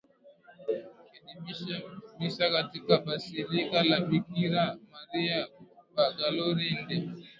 akiadhimisha Misa katika Basilika la Bikira Maria Bangalore India